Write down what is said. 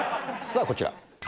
さあ、こちら。